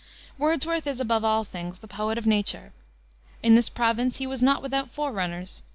Wordsworth is, above all things, the poet of Nature. In this province he was not without forerunners.